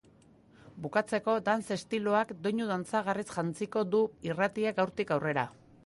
Bukatzeko, dance estiloak doinu dantzagarriz jantziko du irratia gaurtik aurrera.